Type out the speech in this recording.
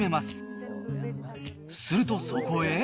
するとそこへ。